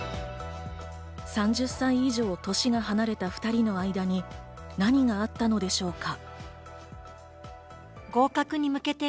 ３０歳以上、年が離れた２人の間に何があったのでしょうか。